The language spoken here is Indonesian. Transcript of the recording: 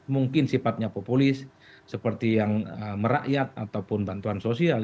mungkin sifatnya populis seperti yang merakyat ataupun bantuan sosial